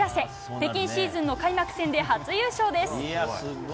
北京シーズンの開幕戦で初優勝です。